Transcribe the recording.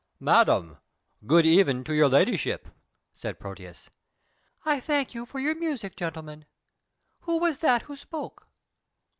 "Madam, good even to your ladyship," said Proteus. "I thank you for your music, gentlemen. Who was that who spoke?"